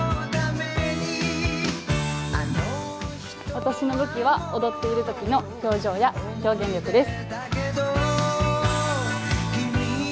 私の武器は、踊っているときの表情や表現力です。